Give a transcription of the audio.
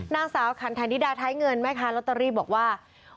นางสาวขันคณิดาไทเงินมีคาร็อเตอรี่บอกว่า